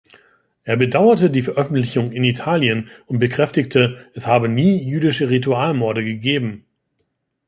Er bedauerte die Veröffentlichung in Italien und bekräftigte, es habe nie jüdische Ritualmorde gegeben.